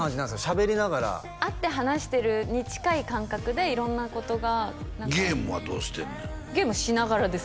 しゃべりながら会って話してるに近い感覚で色んなことがゲームはどうしてんねんゲームしながらです